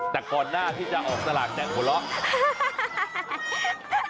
แต่ก่อนหน้าที่จะออกสลากแจ๊คหัวเราะ